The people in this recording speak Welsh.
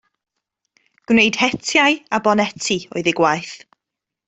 Gwneud hetiau a boneti oedd ei gwaith.